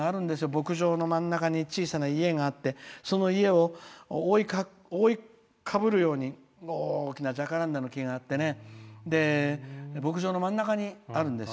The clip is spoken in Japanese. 牧場の真ん中に木があってその家を多いかぶるように大きなジャカランダの木があって牧場の真ん中にあるんです。